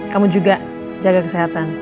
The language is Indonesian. kamu juga jaga kesehatan